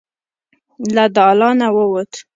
له دالانه ووت.